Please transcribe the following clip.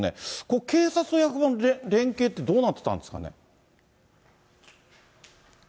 これ、警察と役場の連携って、どうなってたんですかね。